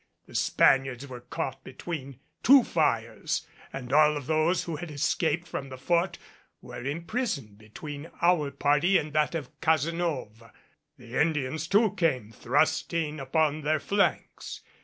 The Spaniards were caught between two fires and all of those who had escaped from the Fort were imprisoned between our party and that of Cazenove. The Indians too came thrusting upon their flanks.